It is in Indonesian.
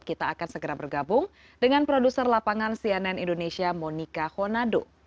kita akan segera bergabung dengan produser lapangan cnn indonesia monika honado